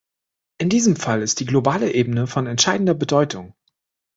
In diesem Fall ist die globale Ebene von entscheidender Bedeutung.